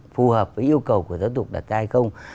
phù hợp với yêu cầu của giáo dục đặt ra hay không